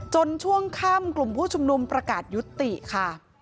ช่วงค่ำกลุ่มผู้ชุมนุมประกาศยุติค่ะ